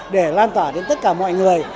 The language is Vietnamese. để loan tả đến tất cả mọi người